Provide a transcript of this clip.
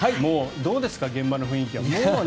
どうですか、現場の雰囲気は。